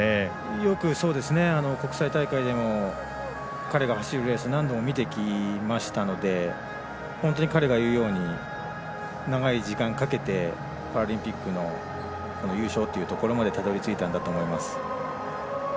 よく国際大会でも彼が走るレース何度も見てきましたので本当に彼が言うように長い時間かけてパラリンピックの優勝というところまでたどり着いたんだと思います。